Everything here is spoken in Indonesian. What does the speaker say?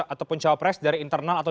ataupun cawapres dari internal atau